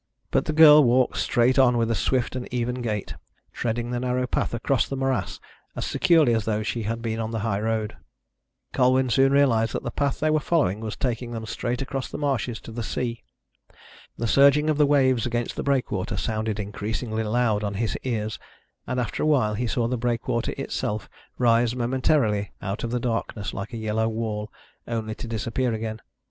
But the girl walked straight on with a swift and even gait, treading the narrow path across the morass as securely as though she had been on the high road. Colwyn soon realised that the path they were following was taking them straight across the marshes to the sea. The surging of the waves against the breakwater sounded increasingly loud on his ears, and after a while he saw the breakwater itself rise momentarily out of the darkness like a yellow wall, only to disappear again.